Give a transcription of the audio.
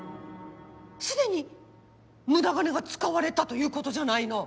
すでに無駄金が使われたということじゃないの！